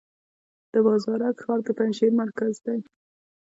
د بازارک ښار د پنجشیر مرکز دی